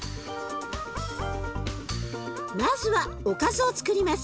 まずはおかずをつくります。